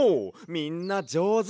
みんなじょうず！